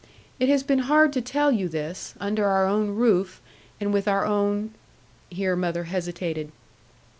It has been hard to tell you this, under our own roof, and with our own ' Here mother hesitated.